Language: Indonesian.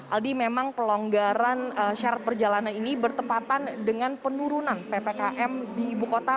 aldi memang pelonggaran syarat perjalanan ini bertepatan dengan penurunan ppkm di ibu kota